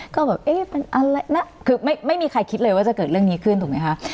ก็แบบเอ๊ะมันอะไรนะคือไม่มีใครคิดเลยว่าจะเกิดเรื่องนี้ขึ้นถูกไหมคะ